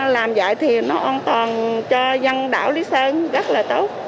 làm vậy thì nó an toàn cho dân đảo lý sơn rất là tốt